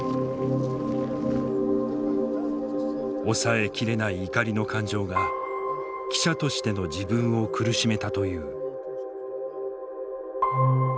抑え切れない怒りの感情が記者としての自分を苦しめたという。